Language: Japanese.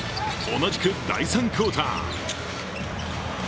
同じく第３クオーター。